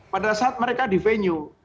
pada saat mereka di venue